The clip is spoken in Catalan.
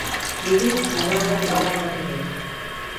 Dilluns na Laura anirà al Verger.